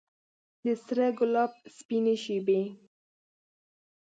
د سره ګلاب سپینې شبۍ